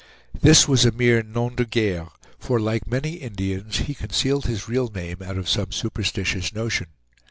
This was a mere NOM DE GUERRE; for, like many Indians, he concealed his real name out of some superstitious notion.